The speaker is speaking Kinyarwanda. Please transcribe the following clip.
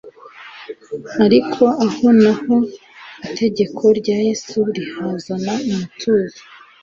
Ariko aho na ho itegeko rya Yesu rihazana umutuzo.